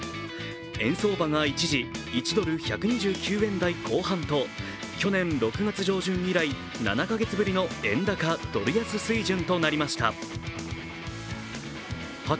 円相場が一時１ドル＝１２９円台後半と去年６月上旬以来、７か月ぶりの円高・ドル安水準となりました。